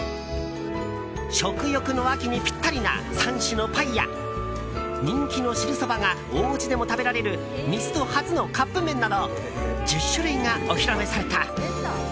食欲の秋にピッタリな３種のパイや人気の汁そばがお家でも食べられるミスド初のカップ麺など１０種類がお披露目された。